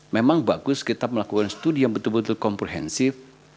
memang bagus kita melakukan studi yang betul betul komprehensif